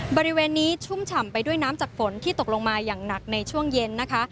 บริเวณนี้ชุ่มฉ่ำไปด้วยน้ำจากฝนที่ตกลงมาอย่างหนักในช่วงเย็นนะคะ